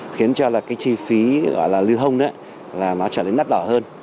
khiến cho là cái chi phí gọi là lưu hông đó là nó trở nên nắt đỏ hơn